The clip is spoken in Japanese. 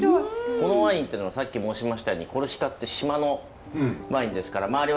このワインっていうのはさっき申しましたようにコルシカって島のワインですから周りは全部海です。